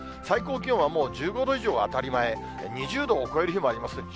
最高気温はもう１５度以上は当たり前、２０度を超える日もあります。